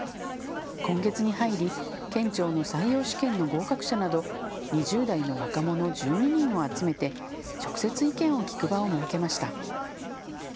今月に入り、県庁の採用試験の合格者など２０代の若者１２人を集めて直接、意見を聞く場を設けました。